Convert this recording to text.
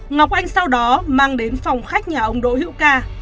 ngọc anh sau đó mang đến phòng khách nhà ông đỗ hữu ca